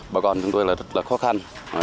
bà con chúng tôi là rất là khó khăn